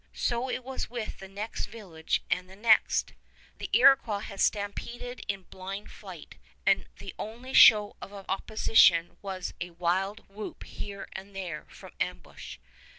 So it was with the next village and the next. The Iroquois had stampeded in blind flight, and the only show of opposition was a wild whoop here and there from ambush.